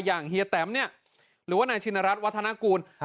เฮียแตมเนี่ยหรือว่านายชินรัฐวัฒนากูล